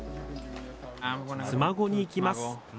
妻籠に行きます。